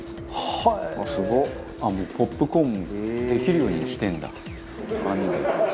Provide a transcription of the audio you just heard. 「ポップコーンできるようにしてるんだ網で」